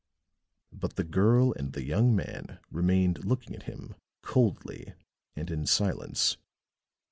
But the girl and the young man remained looking at him coldly and in silence.